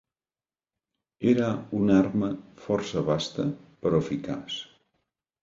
Era una arma força basta, però eficaç.